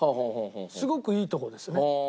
すごくいいとこですね。